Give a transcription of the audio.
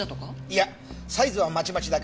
いやサイズはまちまちだけどね